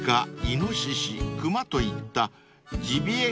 イノシシ熊といったジビエ